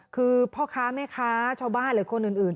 คือพ่อค้าแม่ค้าชาวบ้านหรือคนอื่น